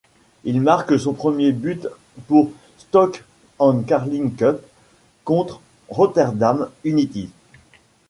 Il marque son premier but pour Stoke en Carling Cup contre Rotherdam United.